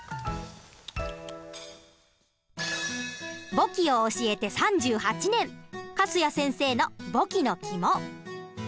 簿記を教えて３８年粕谷先生の簿記のキモ。